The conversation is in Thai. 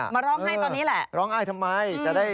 มาร้องไห้ตอนนี้แหละ